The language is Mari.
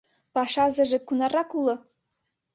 — Пашазыже кунаррак уло?